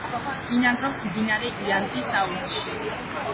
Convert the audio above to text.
ბინადრობს მდინარე იანძის აუზში.